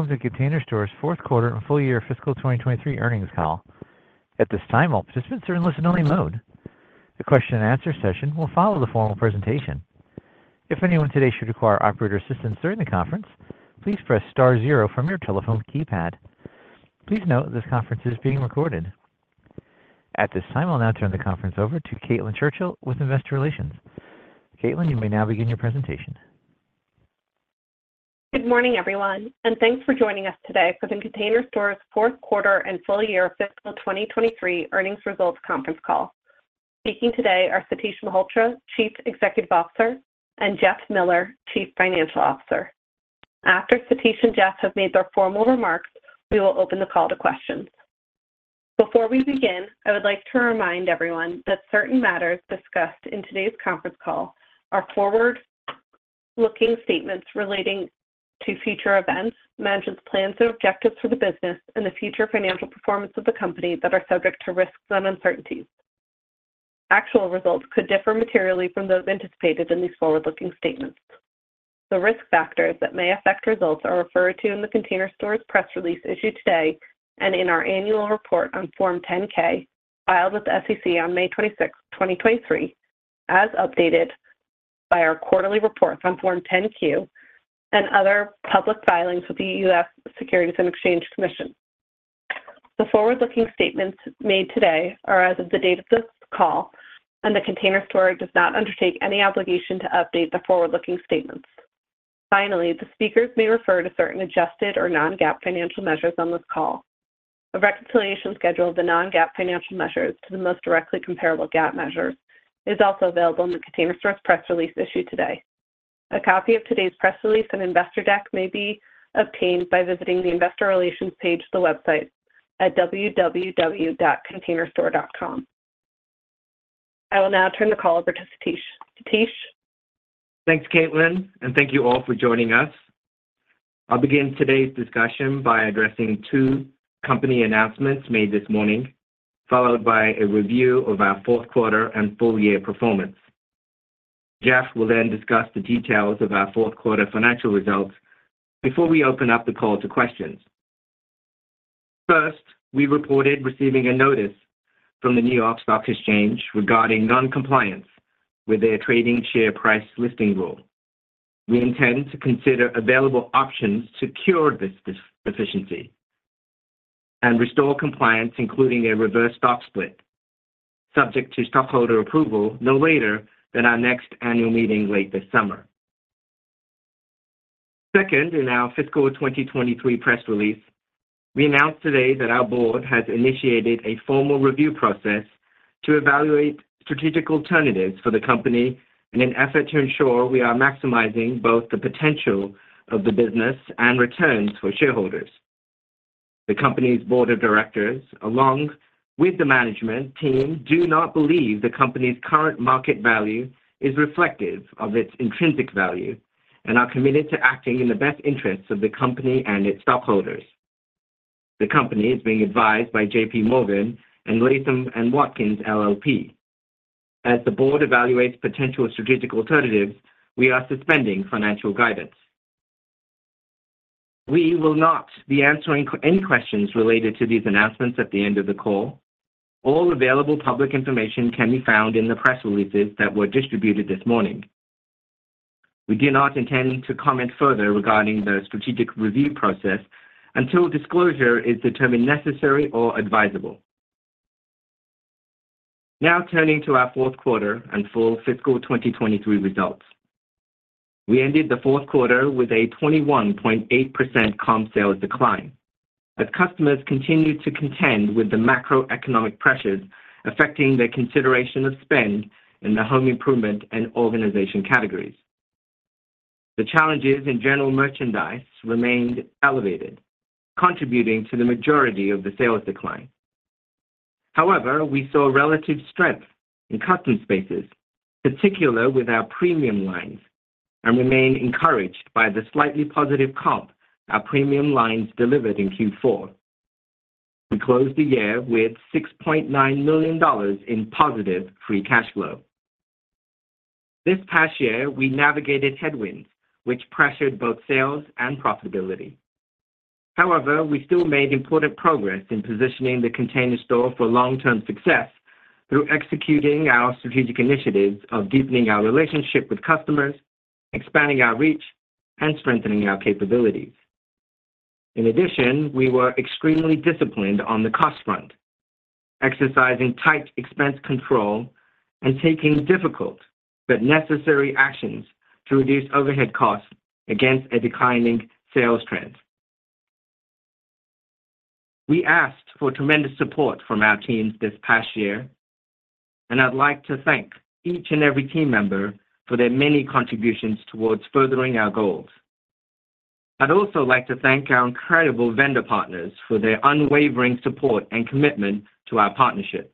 Welcome to The Container Store's fourth quarter and full year fiscal 2023 earnings call. At this time, all participants are in listen-only mode. The question-and-answer session will follow the formal presentation. If anyone today should require operator assistance during the conference, please press star zero from your telephone keypad. Please note this conference is being recorded. At this time, I'll now turn the conference over to Caitlin Churchill with Investor Relations. Caitlin, you may now begin your presentation. Good morning, everyone, and thanks for joining us today for the Container Store's fourth quarter and full year fiscal 2023 earnings results conference call. Speaking today are Satish Malhotra, Chief Executive Officer, and Jeff Miller, Chief Financial Officer. After Satish and Jeff have made their formal remarks, we will open the call to questions. Before we begin, I would like to remind everyone that certain matters discussed in today's conference call are forward-looking statements relating to future events, management's plans and objectives for the business, and the future financial performance of the company that are subject to risks and uncertainties. Actual results could differ materially from those anticipated in these forward-looking statements. The risk factors that may affect results are referred to in The Container Store's press release issued today and in our annual report on Form 10-K filed with SEC on May 26th, 2023, as updated by our quarterly reports on Form 10-Q and other public filings with the U.S. Securities and Exchange Commission. The forward-looking statements made today are as of the date of this call, and The Container Store does not undertake any obligation to update the forward-looking statements. Finally, the speakers may refer to certain adjusted or non-GAAP financial measures on this call. A reconciliation schedule of the non-GAAP financial measures to the most directly comparable GAAP measures is also available in The Container Store's press release issued today. A copy of today's press release and investor deck may be obtained by visiting the investor relations page of the website at www.containerstore.com. I will now turn the call over to Satish. Thanks, Caitlin, and thank you all for joining us. I'll begin today's discussion by addressing two company announcements made this morning, followed by a review of our fourth quarter and full year performance. Jeff will then discuss the details of our fourth quarter financial results before we open up the call to questions. First, we reported receiving a notice from the New York Stock Exchange regarding non-compliance with their trading share price listing rule. We intend to consider available options to cure this deficiency and restore compliance, including a reverse stock split subject to stockholder approval no later than our next annual meeting late this summer. Second, in our fiscal 2023 press release, we announced today that our board has initiated a formal review process to evaluate strategic alternatives for the company in an effort to ensure we are maximizing both the potential of the business and returns for shareholders. The company's board of directors, along with the management team, do not believe the company's current market value is reflective of its intrinsic value and are committed to acting in the best interests of the company and its stockholders. The company is being advised by JPMorgan and Latham & Watkins LLP. As the board evaluates potential strategic alternatives, we are suspending financial guidance. We will not be answering any questions related to these announcements at the end of the call. All available public information can be found in the press releases that were distributed this morning. We do not intend to comment further regarding the strategic review process until disclosure is determined necessary or advisable. Now turning to our fourth quarter and full fiscal 2023 results. We ended the fourth quarter with a 21.8% comp sales decline as customers continued to contend with the macroeconomic pressures affecting their consideration of spend in the home improvement and organization categories. The challenges in general merchandise remained elevated, contributing to the majority of the sales decline. However, we saw relative strength in Custom Spaces, particularly with our premium lines, and remained encouraged by the slightly positive comp our premium lines delivered in Q4. We closed the year with $6.9 million in positive free cash flow. This past year, we navigated headwinds, which pressured both sales and profitability. However, we still made important progress in positioning the Container Store for long-term success through executing our strategic initiatives of deepening our relationship with customers, expanding our reach, and strengthening our capabilities. In addition, we were extremely disciplined on the cost front, exercising tight expense control and taking difficult but necessary actions to reduce overhead costs against a declining sales trend. We asked for tremendous support from our teams this past year, and I'd like to thank each and every team member for their many contributions towards furthering our goals. I'd also like to thank our incredible vendor partners for their unwavering support and commitment to our partnership.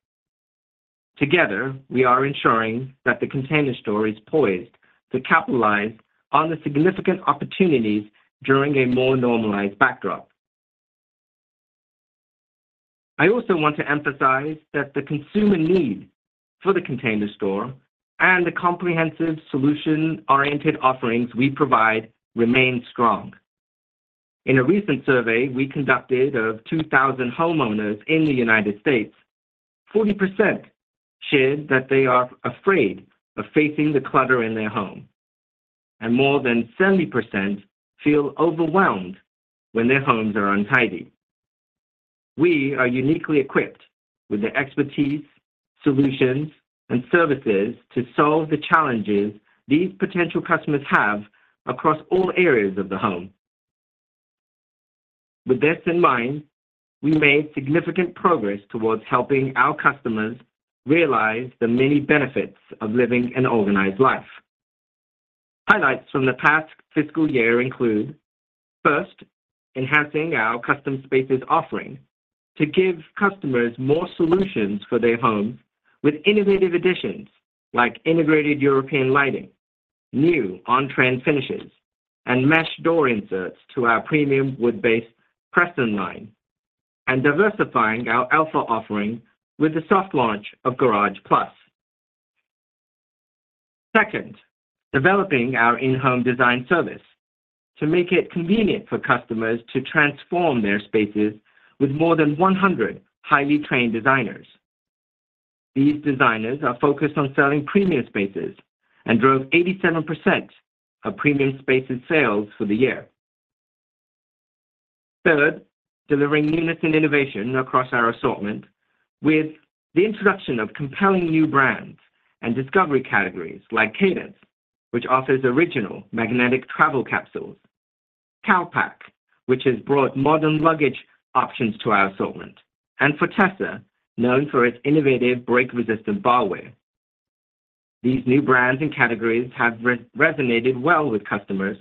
Together, we are ensuring that The Container Store is poised to capitalize on the significant opportunities during a more normalized backdrop. I also want to emphasize that the consumer need for The Container Store and the comprehensive solution-oriented offerings we provide remain strong. In a recent survey we conducted of 2,000 homeowners in the United States, 40% shared that they are afraid of facing the clutter in their home, and more than 70% feel overwhelmed when their homes are untidy. We are uniquely equipped with the expertise, solutions, and services to solve the challenges these potential customers have across all areas of the home. With this in mind, we made significant progress towards helping our customers realize the many benefits of living an organized life. Highlights from the past fiscal year include: first, enhancing our Custom Spaces offering to give customers more solutions for their homes with innovative additions like integrated European lighting, new on-trend finishes, and mesh door inserts to our premium wood-based Preston line, and diversifying our Elfa offering with the soft launch of Garage+. Second, developing our in-home design service to make it convenient for customers to transform their spaces with more than 100 highly trained designers. These designers are focused on selling premium spaces and drove 87% of premium spaces sales for the year. Third, delivering newness and innovation across our assortment with the introduction of compelling new brands and discovery categories like Cadence, which offers original magnetic travel capsules, Calpak, which has brought modern luggage options to our assortment, and Fortessa, known for its innovative break-resistant barware. These new brands and categories have resonated well with customers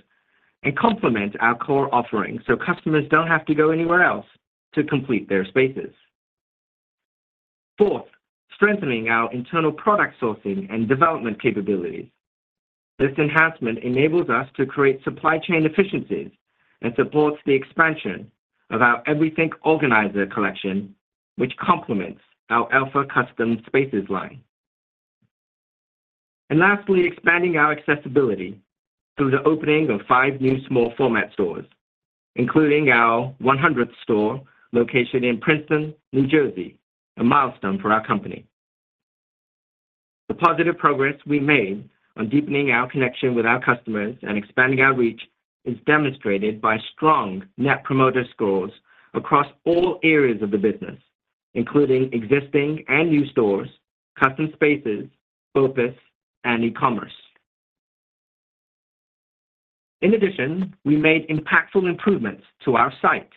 and complement our core offering so customers don't have to go anywhere else to complete their spaces. Fourth, strengthening our internal product sourcing and development capabilities. This enhancement enables us to create supply chain efficiencies and supports the expansion of our Everything Organizer collection, which complements our Elfa custom spaces line. Lastly, expanding our accessibility through the opening of 5 new small format stores, including our 100th store located in Princeton, New Jersey, a milestone for our company. The positive progress we made on deepening our connection with our customers and expanding our reach is demonstrated by strong Net Promoter Scores across all areas of the business, including existing and new stores, Custom Spaces, focus, and e-Commerce. In addition, we made impactful improvements to our site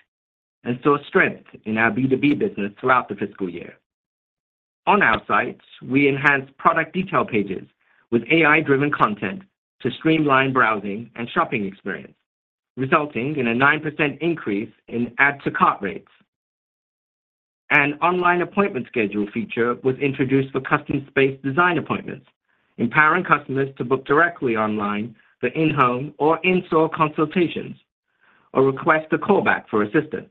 and saw strength in our B2B business throughout the fiscal year. On our sites, we enhanced product detail pages with AI-driven content to streamline browsing and shopping experience, resulting in a 9% increase in add-to-cart rates. An online appointment schedule feature was introduced for Custom Space design appointments, empowering customers to book directly online for in-home or in-store consultations or request a callback for assistance.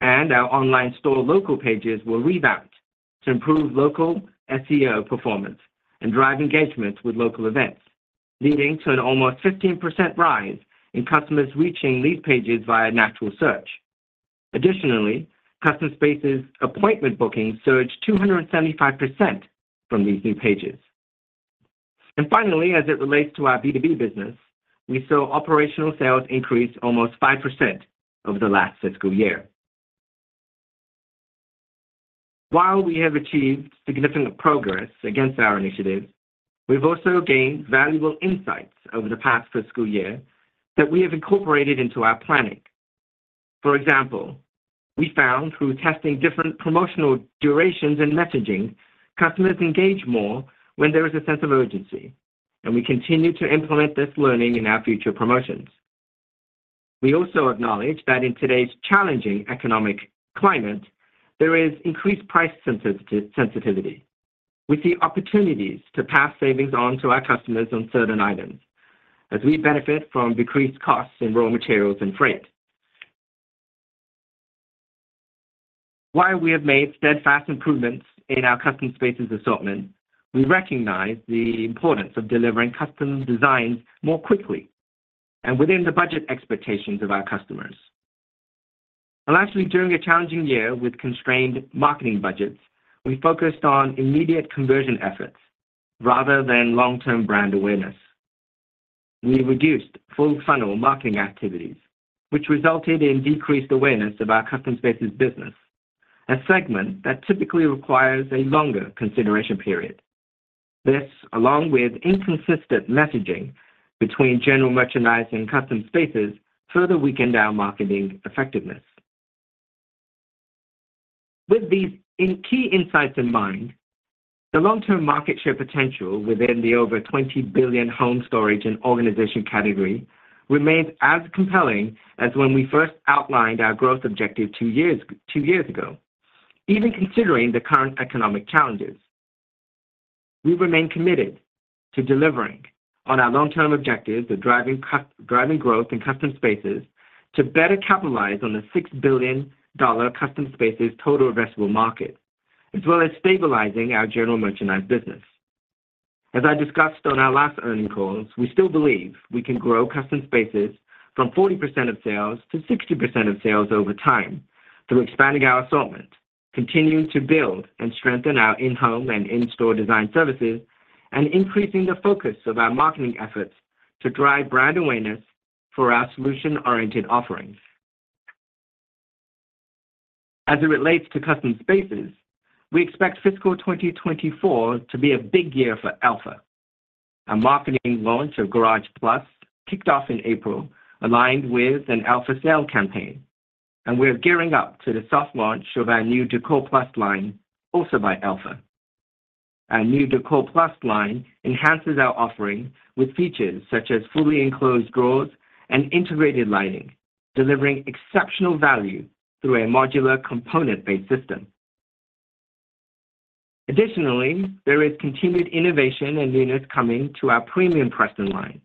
And our online store local pages were revamped to improve local SEO performance and drive engagement with local events, leading to an almost 15% rise in customers reaching these pages via natural search. Additionally, custom spaces appointment bookings surged 275% from these new pages. And finally, as it relates to our B2B business, we saw operational sales increase almost 5% over the last fiscal year. While we have achieved significant progress against our initiatives, we've also gained valuable insights over the past fiscal year that we have incorporated into our planning. For example, we found through testing different promotional durations and messaging, customers engage more when there is a sense of urgency, and we continue to implement this learning in our future promotions. We also acknowledge that in today's challenging economic climate, there is increased price sensitivity. We see opportunities to pass savings on to our customers on certain items as we benefit from decreased costs in raw materials and freight. While we have made steadfast improvements in our Custom Spaces assortment, we recognize the importance of delivering custom designs more quickly and within the budget expectations of our customers. Lastly, during a challenging year with constrained marketing budgets, we focused on immediate conversion efforts rather than long-term brand awareness. We reduced full-funnel marketing activities, which resulted in decreased awareness of our Custom Spaces business, a segment that typically requires a longer consideration period. This, along with inconsistent messaging between general merchandise and Custom Spaces, further weakened our marketing effectiveness. With these key insights in mind, the long-term market share potential within the over $20 billion home storage and organization category remains as compelling as when we first outlined our growth objective two years ago, even considering the current economic challenges. We remain committed to delivering on our long-term objectives of driving growth in custom spaces to better capitalize on the $6 billion custom spaces total addressable market, as well as stabilizing our general merchandise business. As I discussed on our last earnings calls, we still believe we can grow custom spaces from 40%-60% of sales over time through expanding our assortment, continuing to build and strengthen our in-home and in-store design services, and increasing the focus of our marketing efforts to drive brand awareness for our solution-oriented offerings. As it relates to custom spaces, we expect fiscal 2024 to be a big year for Elfa. Our marketing launch of Elfa Garage+ kicked off in April, aligned with an Elfa sale campaign, and we are gearing up for the soft launch of our new Elfa Décor+ line, also by Elfa. Our new Elfa Décor+ line enhances our offering with features such as fully enclosed drawers and integrated lighting, delivering exceptional value through a modular component-based system. Additionally, there is continued innovation and newness coming to our premium Preston line,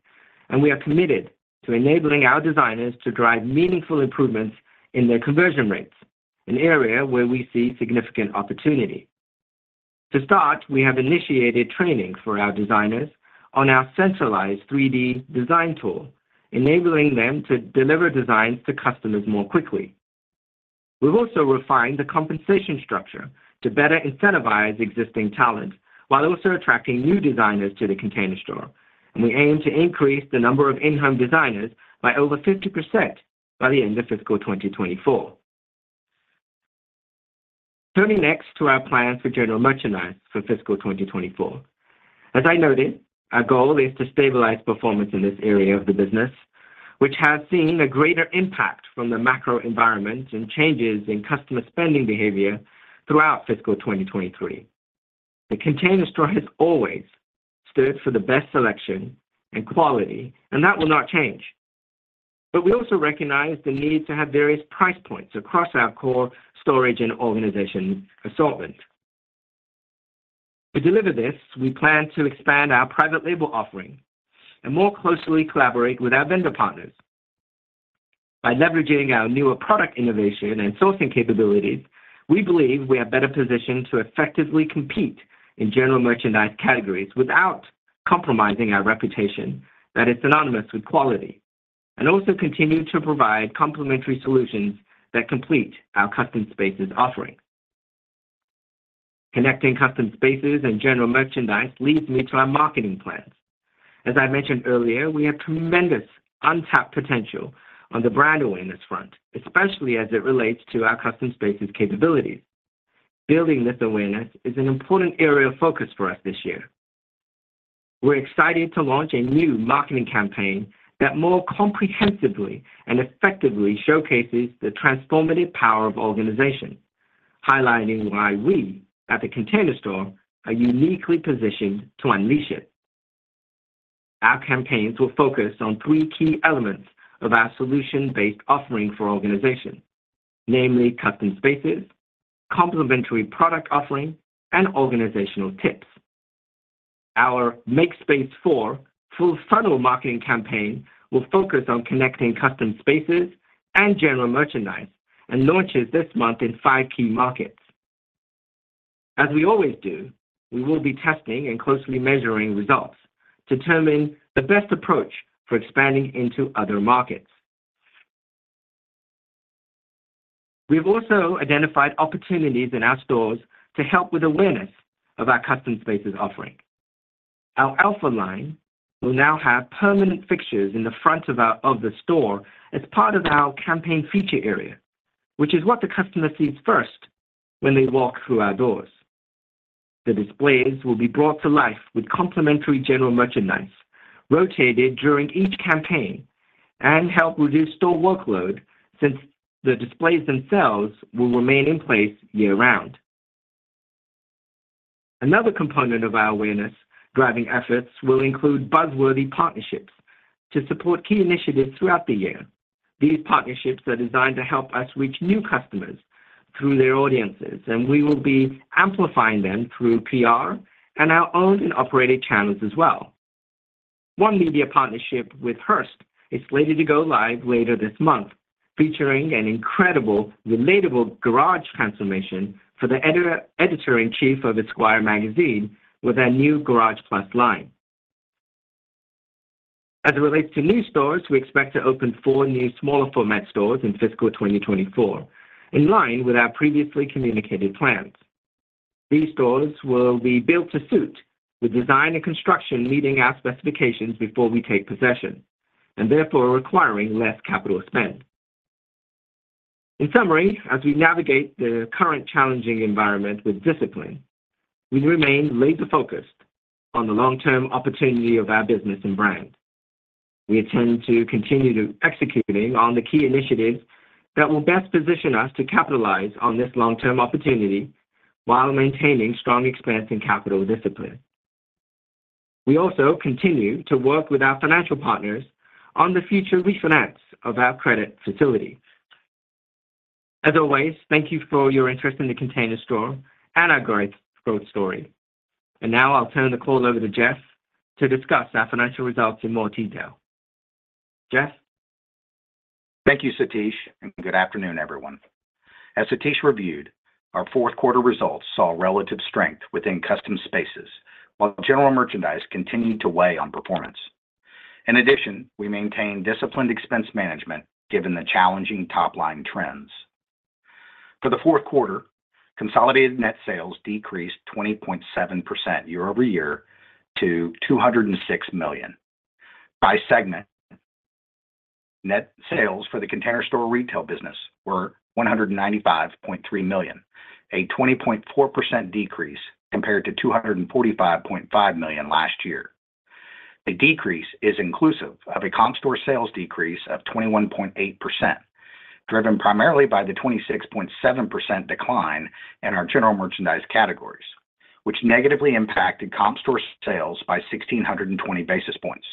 and we are committed to enabling our designers to drive meaningful improvements in their conversion rates, an area where we see significant opportunity. To start, we have initiated training for our designers on our centralized 3D design tool, enabling them to deliver designs to customers more quickly. We've also refined the compensation structure to better incentivize existing talent while also attracting new designers to the Container Store, and we aim to increase the number of in-home designers by over 50% by the end of fiscal 2024. Turning next to our plans for general merchandise for fiscal 2024. As I noted, our goal is to stabilize performance in this area of the business, which has seen a greater impact from the macro environment and changes in customer spending behavior throughout fiscal 2023. The Container Store has always stood for the best selection and quality, and that will not change. But we also recognize the need to have various price points across our core storage and organization assortment. To deliver this, we plan to expand our private label offering and more closely collaborate with our vendor partners. By leveraging our newer product innovation and sourcing capabilities, we believe we are better positioned to effectively compete in general merchandise categories without compromising our reputation that is synonymous with quality, and also continue to provide complementary solutions that complete our custom spaces offering. Connecting custom spaces and general merchandise leads me to our marketing plans. As I mentioned earlier, we have tremendous untapped potential on the brand awareness front, especially as it relates to our custom spaces capabilities. Building this awareness is an important area of focus for us this year. We're excited to launch a new marketing campaign that more comprehensively and effectively showcases the transformative power of organization, highlighting why we at the Container Store are uniquely positioned to unleash it. Our campaigns will focus on three key elements of our solution-based offering for organization, namely custom spaces, complementary product offering, and organizational tips. Our Make Space for full-funnel marketing campaign will focus on connecting custom spaces and general merchandise and launches this month in five key markets. As we always do, we will be testing and closely measuring results to determine the best approach for expanding into other markets. We've also identified opportunities in our stores to help with awareness of our custom spaces offering. Our Elfa line will now have permanent fixtures in the front of the store as part of our campaign feature area, which is what the customer sees first when they walk through our doors. The displays will be brought to life with complementary general merchandise rotated during each campaign and help reduce store workload since the displays themselves will remain in place year-round. Another component of our awareness driving efforts will include buzzworthy partnerships to support key initiatives throughout the year. These partnerships are designed to help us reach new customers through their audiences, and we will be amplifying them through PR and our owned and operated channels as well. One media partnership with Hearst is slated to go live later this month, featuring an incredible relatable garage transformation for the editor-in-chief of Esquire magazine with our new Garage+ line. As it relates to new stores, we expect to open four new smaller format stores in fiscal 2024 in line with our previously communicated plans. These stores will be built-to-suit, with design and construction meeting our specifications before we take possession and therefore requiring less capital spend. In summary, as we navigate the current challenging environment with discipline, we remain laser-focused on the long-term opportunity of our business and brand. We intend to continue executing on the key initiatives that will best position us to capitalize on this long-term opportunity while maintaining strong expansion capital discipline. We also continue to work with our financial partners on the future refinance of our credit facility. As always, thank you for your interest in The Container Store and our growth story. And now I'll turn the call over to Jeff to discuss our financial results in more detail. Jeff? Thank you, Satish, and good afternoon, everyone. As Satish reviewed, our fourth quarter results saw relative strength within custom spaces while general merchandise continued to weigh on performance. In addition, we maintained disciplined expense management given the challenging top-line trends. For the fourth quarter, consolidated net sales decreased 20.7% year-over-year to $206 million. By segment, net sales for the Container Store retail business were $195.3 million, a 20.4% decrease compared to $245.5 million last year. The decrease is inclusive of a comp store sales decrease of 21.8%, driven primarily by the 26.7% decline in our general merchandise categories, which negatively impacted comp store sales by 1,620 basis points.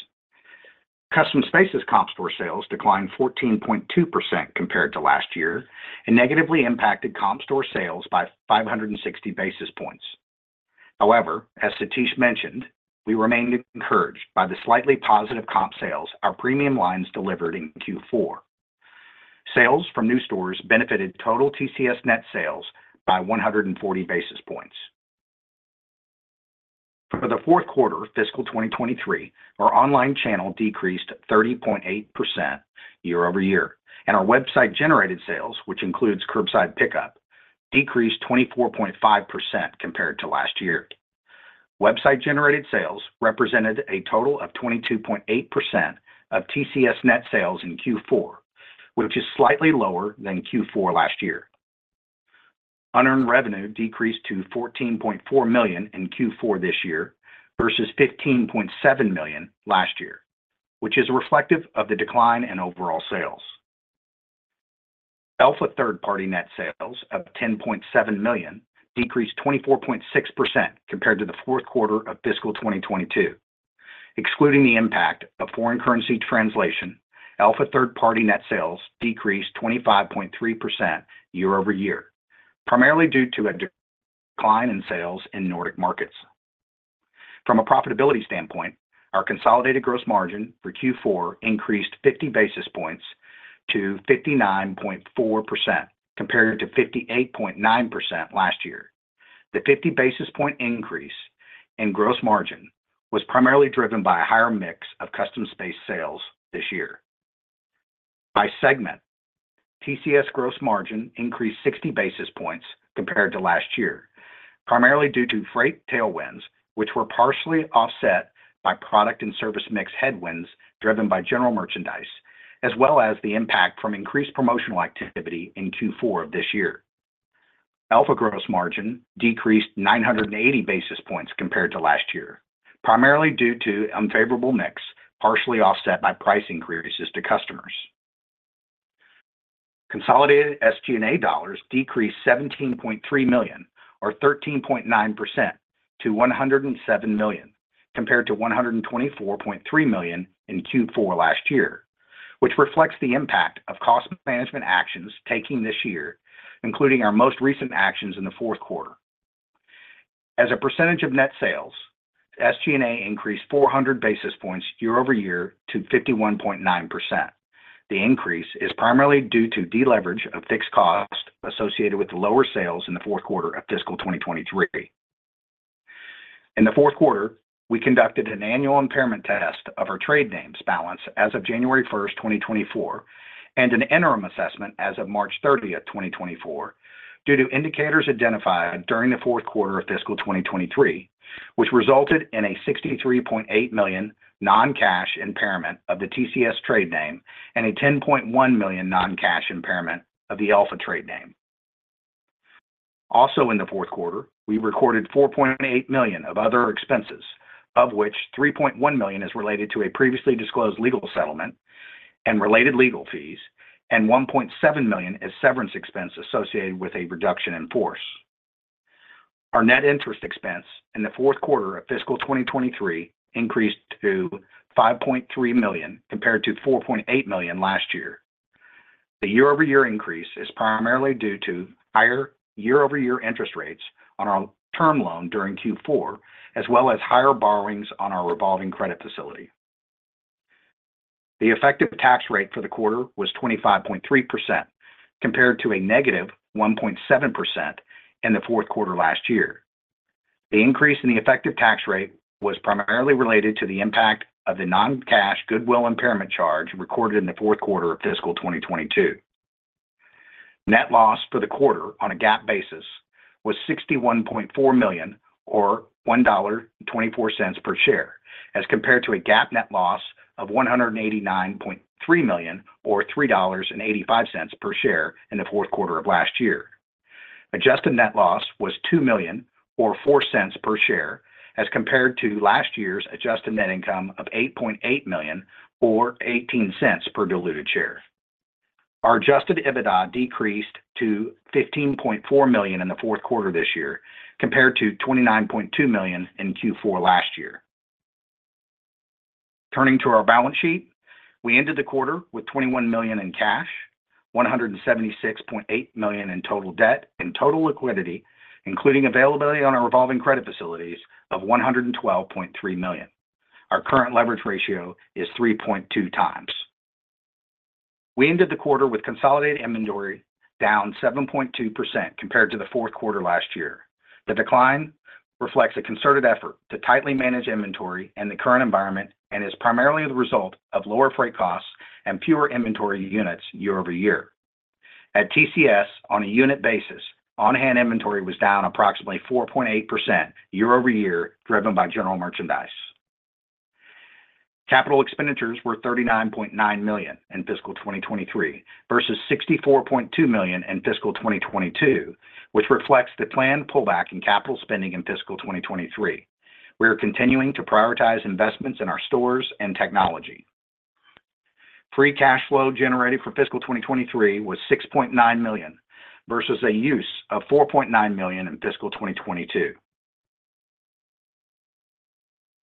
Custom spaces comp store sales declined 14.2% compared to last year and negatively impacted comp store sales by 560 basis points. However, as Satish mentioned, we remained encouraged by the slightly positive comp sales our premium lines delivered in Q4. Sales from new stores benefited total TCS net sales by 140 basis points. For the fourth quarter fiscal 2023, our online channel decreased 30.8% year-over-year, and our website-generated sales, which includes curbside pickup, decreased 24.5% compared to last year. Website-generated sales represented a total of 22.8% of TCS net sales in Q4, which is slightly lower than Q4 last year. Unearned revenue decreased to $14.4 million in Q4 this year versus $15.7 million last year, which is reflective of the decline in overall sales. Elfa third-party net sales of $10.7 million decreased 24.6% compared to the fourth quarter of fiscal 2022. Excluding the impact of foreign currency translation, Elfa third-party net sales decreased 25.3% year-over-year, primarily due to a decline in sales in Nordic markets. From a profitability standpoint, our consolidated gross margin for Q4 increased 50 basis points to 59.4% compared to 58.9% last year. The 50 basis point increase in gross margin was primarily driven by a higher mix of custom space sales this year. By segment, TCS gross margin increased 60 basis points compared to last year, primarily due to freight tailwinds, which were partially offset by product and service mix headwinds driven by general merchandise, as well as the impact from increased promotional activity in Q4 of this year. Elfa gross margin decreased 980 basis points compared to last year, primarily due to unfavorable mix partially offset by price increases to customers. Consolidated SG&A dollars decreased $17.3 million or 13.9% to $107 million compared to $124.3 million in Q4 last year, which reflects the impact of cost management actions taken this year, including our most recent actions in the fourth quarter. As a percentage of net sales, SG&A increased 400 basis points year-over-year to 51.9%. The increase is primarily due to deleverage of fixed cost associated with lower sales in the fourth quarter of fiscal 2023. In the fourth quarter, we conducted an annual impairment test of our trade names balance as of January 1st, 2024, and an interim assessment as of March 30th, 2024, due to indicators identified during the fourth quarter of fiscal 2023, which resulted in a $63.8 million non-cash impairment of the TCS trade name and a $10.1 million non-cash impairment of the Elfa trade name. Also in the fourth quarter, we recorded $4.8 million of other expenses, of which $3.1 million is related to a previously disclosed legal settlement and related legal fees, and $1.7 million is severance expense associated with a reduction in force. Our net interest expense in the fourth quarter of fiscal 2023 increased to $5.3 million compared to $4.8 million last year. The year-over-year increase is primarily due to higher year-over-year interest rates on our term loan during Q4, as well as higher borrowings on our revolving credit facility. The effective tax rate for the quarter was 25.3% compared to a negative 1.7% in the fourth quarter last year. The increase in the effective tax rate was primarily related to the impact of the non-cash goodwill impairment charge recorded in the fourth quarter of fiscal 2022. Net loss for the quarter on a GAAP basis was $61.4 million or $1.24 per share as compared to a GAAP net loss of $189.3 million or $3.85 per share in the fourth quarter of last year. Adjusted net loss was $2 million or $0.04 per share as compared to last year's adjusted net income of $8.8 million or $0.18 per diluted share. Our adjusted EBITDA decreased to $15.4 million in the fourth quarter this year compared to $29.2 million in Q4 last year. Turning to our balance sheet, we ended the quarter with $21 million in cash, $176.8 million in total debt, and total liquidity, including availability on our revolving credit facilities, of $112.3 million. Our current leverage ratio is 3.2x. We ended the quarter with consolidated inventory down 7.2% compared to the fourth quarter last year. The decline reflects a concerted effort to tightly manage inventory and the current environment and is primarily the result of lower freight costs and fewer inventory units year-over-year. At TCS, on a unit basis, on-hand inventory was down approximately 4.8% year-over-year driven by general merchandise. Capital expenditures were $39.9 million in fiscal 2023 versus $64.2 million in fiscal 2022, which reflects the planned pullback in capital spending in fiscal 2023. We are continuing to prioritize investments in our stores and technology. Free cash flow generated for fiscal 2023 was $6.9 million versus a use of $4.9 million in fiscal 2022.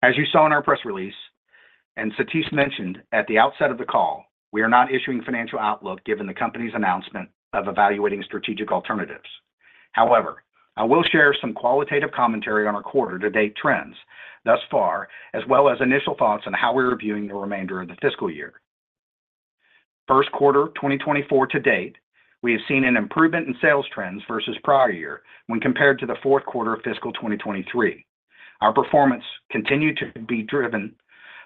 As you saw in our press release and Satish mentioned at the outset of the call, we are not issuing financial outlook given the company's announcement of evaluating strategic alternatives. However, I will share some qualitative commentary on our quarter-to-date trends thus far, as well as initial thoughts on how we're reviewing the remainder of the fiscal year. First quarter 2024 to date, we have seen an improvement in sales trends versus prior year when compared to the fourth quarter of fiscal 2023. Our performance continued to be driven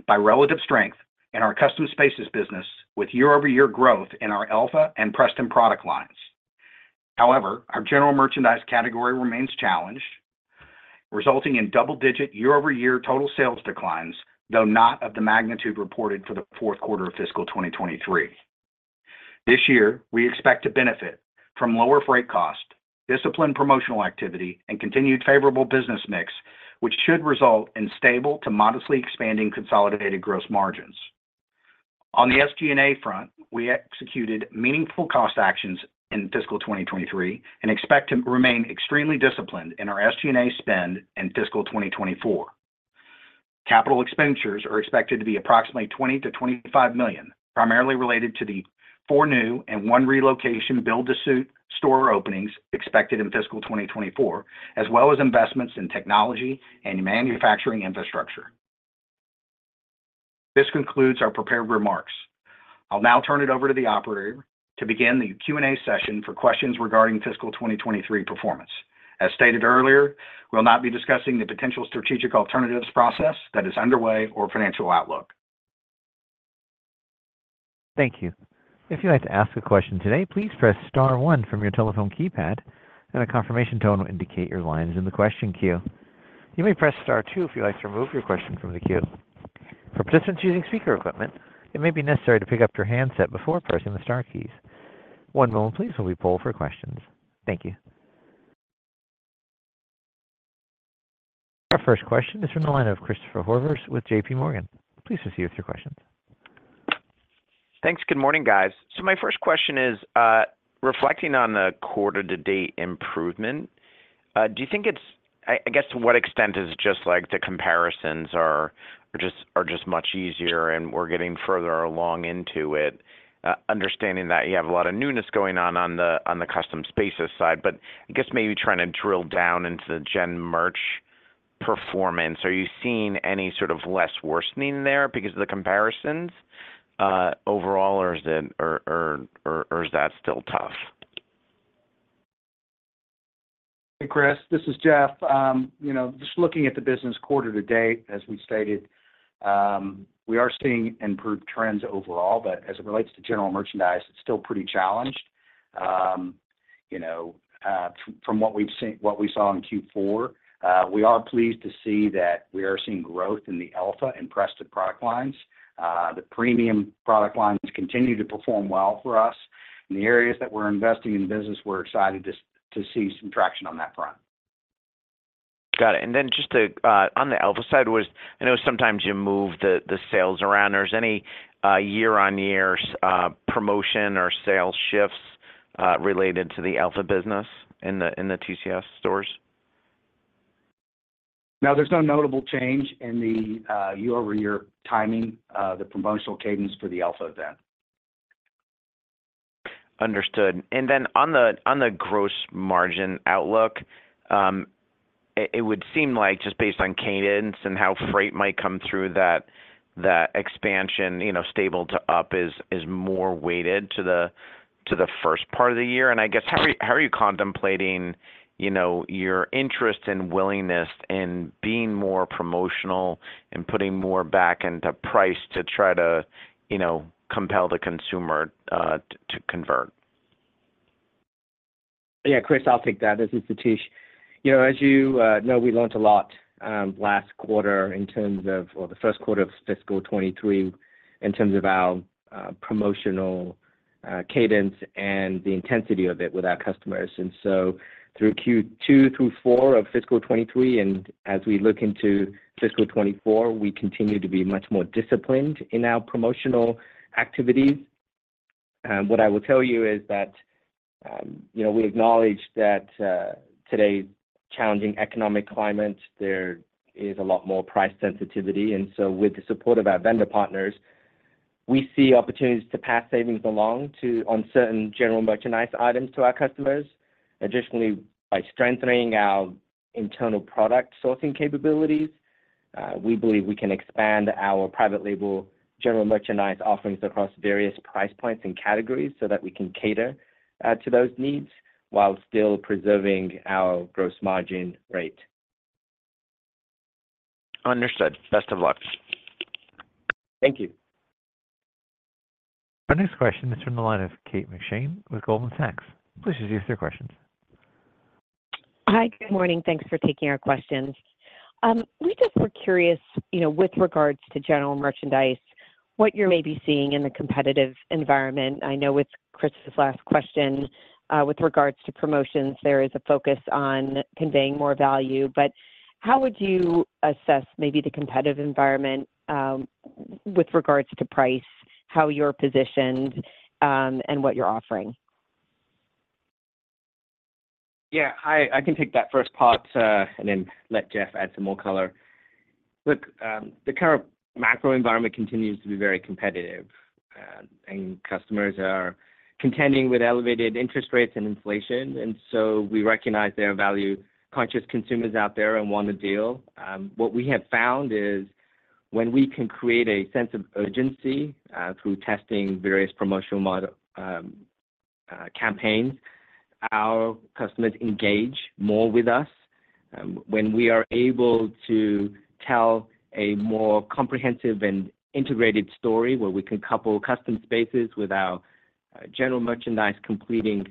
by relative strength in our custom spaces business with year-over-year growth in our Elfa and Preston product lines. However, our general merchandise category remains challenged, resulting in double-digit year-over-year total sales declines, though not of the magnitude reported for the fourth quarter of fiscal 2023. This year, we expect to benefit from lower freight cost, disciplined promotional activity, and continued favorable business mix, which should result in stable to modestly expanding consolidated gross margins. On the SG&A front, we executed meaningful cost actions in fiscal 2023 and expect to remain extremely disciplined in our SG&A spend in fiscal 2024. Capital expenditures are expected to be approximately $20 million-$25 million, primarily related to the four new and one relocation build-to-suit store openings expected in fiscal 2024, as well as investments in technology and manufacturing infrastructure. This concludes our prepared remarks. I'll now turn it over to the operator to begin the Q&A session for questions regarding fiscal 2023 performance. As stated earlier, we will not be discussing the potential strategic alternatives process that is underway or financial outlook. Thank you. If you'd like to ask a question today, please press star one from your telephone keypad, and a confirmation tone will indicate your line is in the question queue. You may press star two if you'd like to remove your question from the queue. For participants using speaker equipment, it may be necessary to pick up your handset before pressing the star keys. One moment, please, while we poll for questions. Thank you. Our first question is from the line of Christopher Horvers with JPMorgan. Please proceed with your questions. Thanks. Good morning, guys. So my first question is, reflecting on the quarter-to-date improvement, do you think it's I guess, to what extent is it just like the comparisons are just much easier, and we're getting further along into it, understanding that you have a lot of newness going on on the Custom Spaces side, but I guess maybe trying to drill down into the gen merch performance. Are you seeing any sort of less worsening there because of the comparisons overall, or is that still tough? Hey, Chris. This is Jeff. Just looking at the business quarter-to-date, as we stated, we are seeing improved trends overall, but as it relates to general merchandise, it's still pretty challenged from what we saw in Q4. We are pleased to see that we are seeing growth in the Elfa and Preston product lines. The premium product lines continue to perform well for us. In the areas that we're investing in business, we're excited to see some traction on that front. Got it. And then just on the Elfa side, I know sometimes you move the sales around. Are there any year-on-year promotion or sales shifts related to the Elfa business in the TCS stores? No, there's no notable change in the year-over-year timing, the promotional cadence for the Elfa then. Understood. And then on the gross margin outlook, it would seem like, just based on cadence and how freight might come through, that expansion stable to up is more weighted to the first part of the year. And I guess, how are you contemplating your interest and willingness in being more promotional and putting more back into price to try to compel the consumer to convert? Yeah, Chris, I'll take that. This is Satish. As you know, we learned a lot last quarter in terms of or the first quarter of fiscal 2023 in terms of our promotional cadence and the intensity of it with our customers. And so through Q2 through Q4 of fiscal 2023, and as we look into fiscal 2024, we continue to be much more disciplined in our promotional activities. What I will tell you is that we acknowledge that today's challenging economic climate, there is a lot more price sensitivity. And so with the support of our vendor partners, we see opportunities to pass savings along on certain general merchandise items to our customers. Additionally, by strengthening our internal product sourcing capabilities, we believe we can expand our private label general merchandise offerings across various price points and categories so that we can cater to those needs while still preserving our gross margin rate. Understood. Best of luck. Thank you. Our next question is from the line of Kate McShane with Goldman Sachs. Please ask you a few questions. Hi. Good morning. Thanks for taking our questions. We just were curious, with regards to general merchandise, what you're maybe seeing in the competitive environment. I know with Chris's last question, with regards to promotions, there is a focus on conveying more value. But how would you assess maybe the competitive environment with regards to price, how you're positioned, and what you're offering? Yeah. I can take that first part and then let Jeff add some more color. Look, the current macro environment continues to be very competitive, and customers are contending with elevated interest rates and inflation. And so we recognize there are value-conscious consumers out there and want a deal. What we have found is when we can create a sense of urgency through testing various promotional campaigns, our customers engage more with us. When we are able to tell a more comprehensive and integrated story where we can couple custom spaces with our general merchandise completion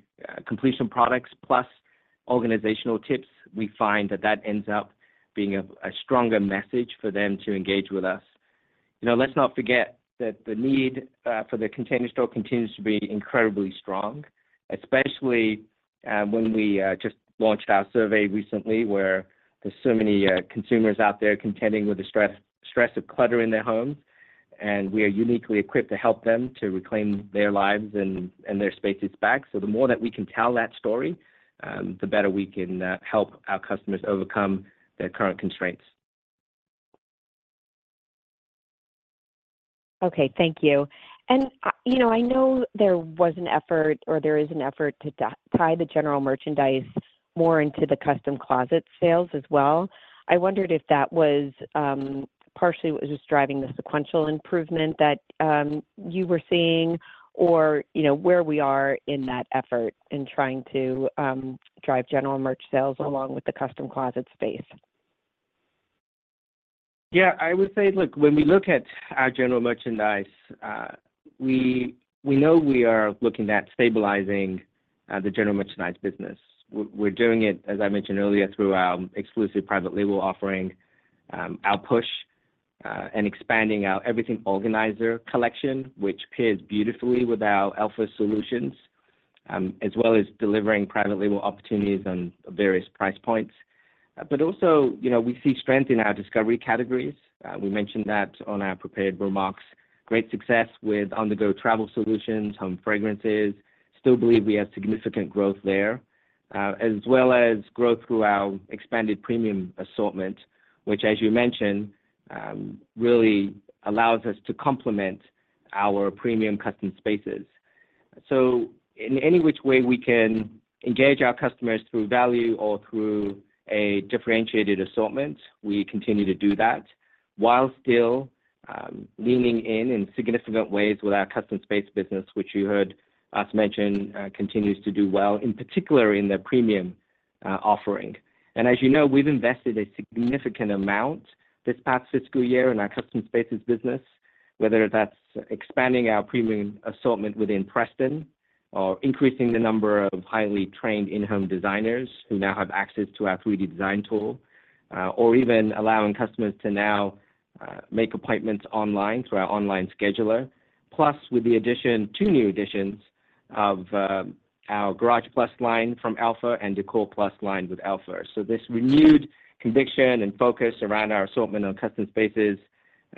products plus organizational tips, we find that that ends up being a stronger message for them to engage with us. Let's not forget that the need for The Container Store continues to be incredibly strong, especially when we just launched our survey recently where there's so many consumers out there contending with the stress of clutter in their homes. And we are uniquely equipped to help them to reclaim their lives and their spaces back. So the more that we can tell that story, the better we can help our customers overcome their current constraints. Okay. Thank you. I know there was an effort or there is an effort to tie the general merchandise more into the custom closet sales as well. I wondered if that was partially what was driving the sequential improvement that you were seeing or where we are in that effort in trying to drive general merch sales along with the custom closet space? Yeah. I would say, look, when we look at our general merchandise, we know we are looking at stabilizing the general merchandise business. We're doing it, as I mentioned earlier, through our exclusive private label offering, our push, and expanding our Everything Organizer collection, which pairs beautifully with our Elfa solutions, as well as delivering private label opportunities on various price points. But also, we see strength in our discovery categories. We mentioned that on our prepared remarks, great success with On The Go Travel Solutions, Home Fragrances. Still believe we have significant growth there, as well as growth through our expanded premium assortment, which, as you mentioned, really allows us to complement our premium custom spaces. So in any which way we can engage our customers through value or through a differentiated assortment, we continue to do that while still leaning in in significant ways with our custom space business, which you heard us mention continues to do well, in particular in the premium offering. And as you know, we've invested a significant amount this past fiscal year in our custom spaces business, whether that's expanding our premium assortment within Preston or increasing the number of highly trained in-home designers who now have access to our 3D design tool, or even allowing customers to now make appointments online through our online scheduler, plus with the addition, two new additions, of our Garage+ line from Elfa and Décor+ line with Elfa. So this renewed conviction and focus around our assortment on custom spaces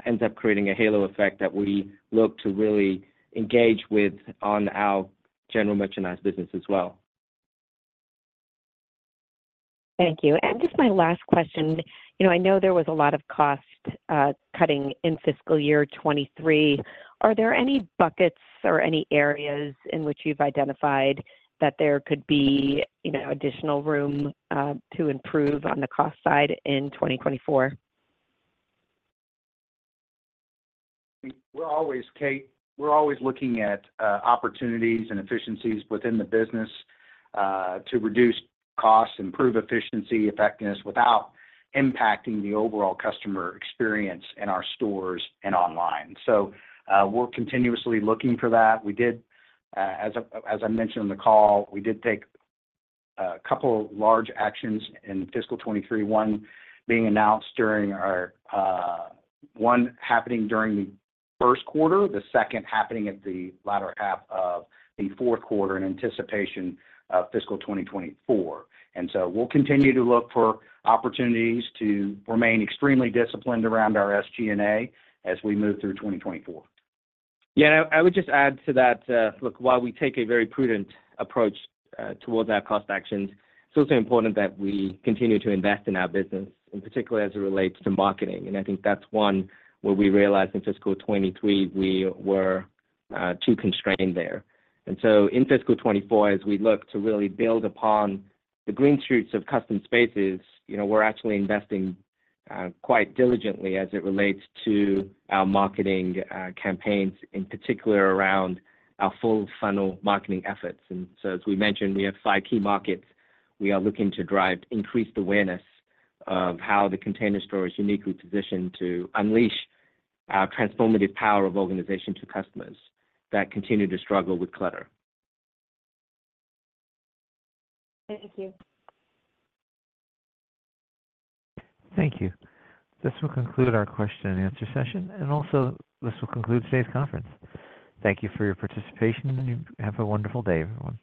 ends up creating a halo effect that we look to really engage with on our general merchandise business as well. Thank you. Just my last question. I know there was a lot of cost cutting in fiscal year 2023. Are there any buckets or any areas in which you've identified that there could be additional room to improve on the cost side in 2024? We're always, Kate, we're always looking at opportunities and efficiencies within the business to reduce costs, improve efficiency, effectiveness without impacting the overall customer experience in our stores and online. So we're continuously looking for that. As I mentioned on the call, we did take a couple of large actions in fiscal 2023, one being announced during the first quarter, the second happening at the latter half of the fourth quarter in anticipation of fiscal 2024. And so we'll continue to look for opportunities to remain extremely disciplined around our SG&A as we move through 2024. Yeah. And I would just add to that, look, while we take a very prudent approach towards our cost actions, it's also important that we continue to invest in our business, in particular as it relates to marketing. And I think that's one where we realized in fiscal 2023 we were too constrained there. And so in fiscal 2024, as we look to really build upon the green shoots of custom spaces, we're actually investing quite diligently as it relates to our marketing campaigns, in particular around our full-funnel marketing efforts. And so, as we mentioned, we have five key markets. We are looking to increase the awareness of how The Container Store is uniquely positioned to unleash our transformative power of organization to customers that continue to struggle with clutter. Thank you. Thank you. This will conclude our question and answer session. Also, this will conclude today's conference. Thank you for your participation, and you have a wonderful day.